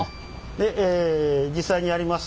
でえ実際にやります。